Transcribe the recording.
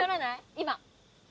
今！